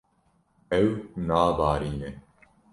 Ew nabarîne.